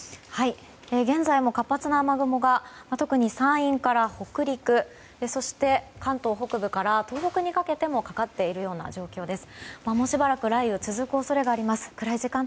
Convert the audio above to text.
現在も活発な雨雲が特に山陰から北陸そして、関東北部から東北にかけてもかかっている状況です。